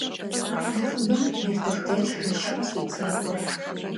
Нэхъыбэм нартыхудэч жэщхэсут зэрыкӀуэр.